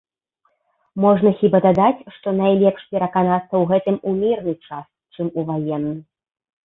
Можна хіба дадаць, што найлепш пераканацца ў гэтым у мірны час, чым у ваенны.